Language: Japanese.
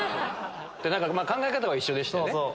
考え方は一緒でしたね。